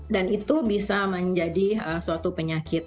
dan itu bisa menjadi suatu penyakit